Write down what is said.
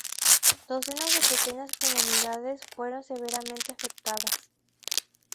Docenas de pequeñas comunidades fueron severamente afectadas.